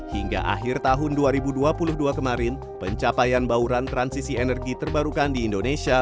hingga akhir tahun dua ribu dua puluh dua kemarin pencapaian bauran transisi energi terbarukan di indonesia